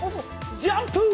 ジャンプ！